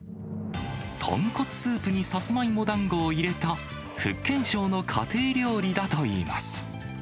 豚骨スープにサツマイモだんごを入れた、福建省の家庭料理だといいます。